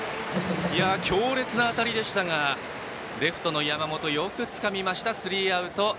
強烈な当たりでしたがレフトの山本よくつかんでスリーアウト。